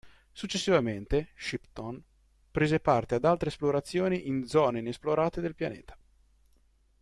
Successivamente, Shipton prese parte ad altre esplorazioni in zone inesplorate del pianeta.